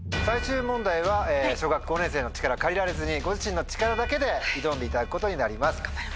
最終問題は小学５年生の力借りられずにご自身の力だけで挑んでいただくことになります。